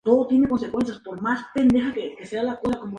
La inferior, ofrece un estilo retro nostálgico.